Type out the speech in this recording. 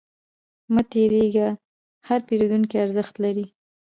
مه تریږه، هر پیرودونکی ارزښت لري.